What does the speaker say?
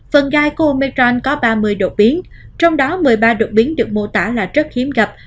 phần gai cumetron có ba mươi đột biến trong đó một mươi ba đột biến được mô tả là rất hiếm gặp